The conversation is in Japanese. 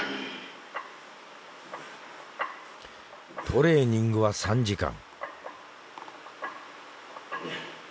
トレーニングは３時間。